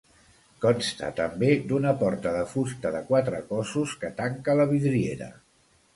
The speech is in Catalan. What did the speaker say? Consta, també d'una porta de fusta de quatre cossos que tanca la vidriera.